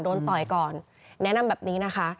ต่อยก่อนแนะนำแบบนี้นะคะ